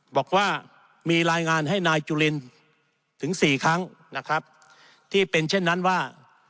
บอกว่ามีรายงานให้นายจุลินถึงสี่ครั้งนะครับที่เป็นเช่นนั้นว่า